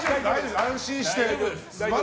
安心して。